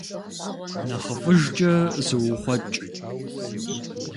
Нэхъыфӏыжкӏэ зуухъуэкӏ.